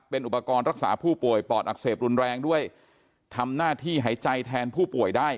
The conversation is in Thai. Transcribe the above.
เป็นอุปกรณ์รักษาผู้ป่วยปอดอักเสบรุนแรงด้วยทำหน้าที่หายใจแทนผู้ป่วยได้